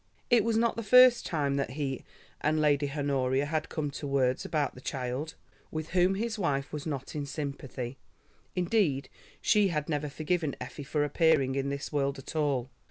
It was not the first time that he and Lady Honoria had come to words about the child, with whom his wife was not in sympathy. Indeed she had never forgiven Effie for appearing in this world at all.